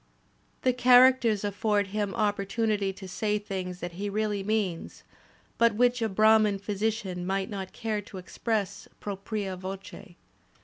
The charac ters afford him opportunity to say things that he really means but which a Brahman physician might not care to express propria voce.